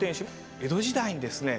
江戸時代にですね